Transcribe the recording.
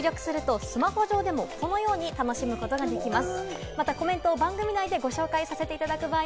こちらの画面からコメントを入力するとスマホ上でも、このように楽しむことができます。